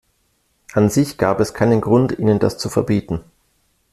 An sich gab es keinen Grund, ihnen das zu verbieten.